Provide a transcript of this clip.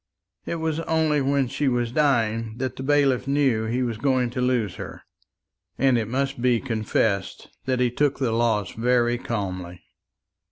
It was only when she was dying that the bailiff knew he was going to lose her; and it must be confessed that he took the loss very calmly.